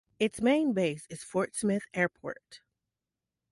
Its main base is Fort Smith Airport.